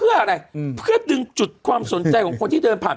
เพื่ออะไรเพื่อดึงจุดความสนใจของคนที่เดินผ่าน